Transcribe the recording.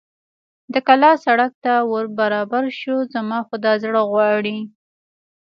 د کلا سړک ته ور برابر شو، زما خو دا زړه غواړي.